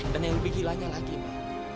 dan yang lebih gilanya lagi ma